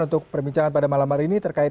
untuk perbincangan pada malam hari ini terkait